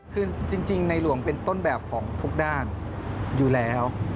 คือจริงในหลวงเป็นต้นแบบของทุกด้านอยู่แล้ว